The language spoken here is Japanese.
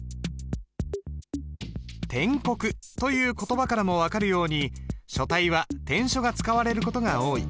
篆刻という言葉からも分かるように書体は篆書が使われる事が多い。